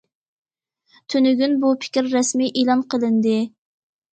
تۈنۈگۈن بۇ پىكىر رەسمىي ئېلان قىلىندى.